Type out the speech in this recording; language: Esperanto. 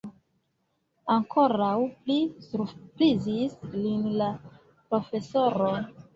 Ankoraŭ pli surprizis lin la profesoro.